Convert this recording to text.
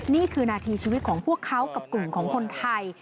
นี่คือนาทีชีวิตของพวกเขากับกลุ่มของคนไทย